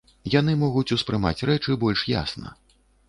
Яны могуць успрымаць рэчы больш ясна.